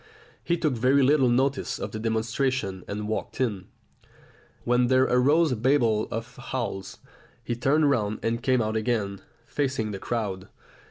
He took very little notice of the demonstration and walked in, when there arose a babel of howls. He turned round and came out again, facing the crowd.